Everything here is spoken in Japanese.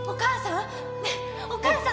お母さん！